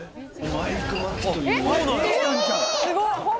マイク眞木という。